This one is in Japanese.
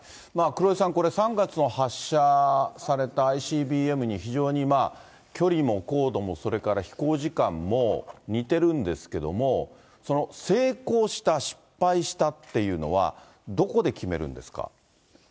黒井さん、これ、３月の発射されたＩＣＢＭに、非常に距離も高度もそれから飛行時間も似てるんですけれども、その成功した、失敗したっていうのは、どこで決めるんですか。